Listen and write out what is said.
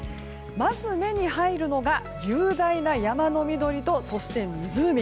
まず目に入るのが雄大な山の緑とそして、湖。